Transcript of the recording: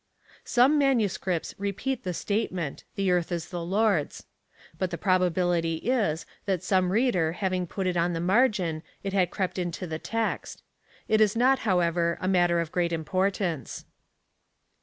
Some manuscripts repeat the statement — The earth is the Lord's. But the probability is, that some reader having put it on the margin, it had crept into the text.^ It is not, how ever, a matter of great importance.